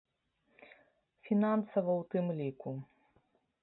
Фінансава ў тым ліку.